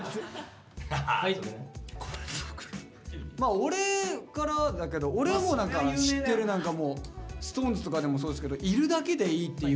オレからだけどオレはもう何か知ってる何かもうＳｉｘＴＯＮＥＳとかでもそうですけど「いるだけで良い」っていう。